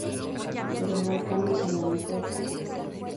Pero no hay cambios en la lista de canciones.